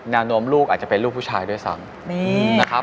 วนมลูกอาจจะเป็นลูกผู้ชายด้วยซ้ำนะครับ